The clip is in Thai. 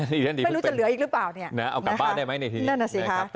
ไม่รู้จะเหลืออีกหรือเปล่าเอากลับบ้านได้ไหมในทีนี้